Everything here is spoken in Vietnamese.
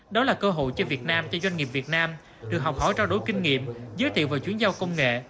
đó là cơ hội cho việt nam cho doanh nghiệp việt nam được học hỏi trao đổi kinh nghiệm giới thiệu và chuyển giao công nghệ